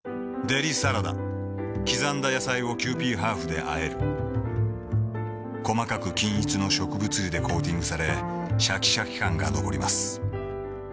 デリサラダ刻んだ野菜をキユーピーハーフであえる細かく均一の植物油でコーティングされシャキシャキ感が残ります